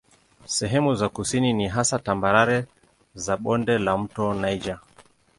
Sehemu za kusini ni hasa tambarare za bonde la mto Niger.